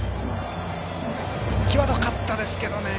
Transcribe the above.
際どかったですけどね。